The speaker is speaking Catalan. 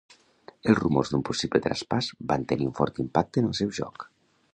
Els rumors d'un possible traspàs van tenir un fort impacte en el seu joc.